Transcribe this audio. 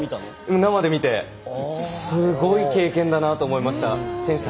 生で見てすごい経験だなと思いました。